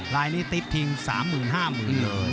ลายนี้ติ๊บทิ้งสามหมื่นห้าหมื่นเลย